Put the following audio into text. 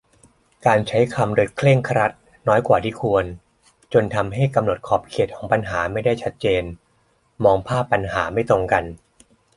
การใช้คำโดยเคร่งครัดน้อยกว่าที่ควร จนทำให้กำหนดขอบเขตของปัญหาไม่ได้ชัดเจน-มองภาพปัญหาไม่ตรงกัน